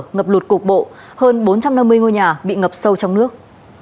ngập lụt cục bộ hơn bốn trăm năm mươi ngôi nhà bị ngập sâu trong nước